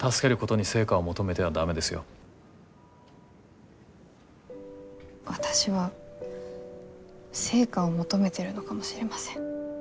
私は成果を求めてるのかもしれません。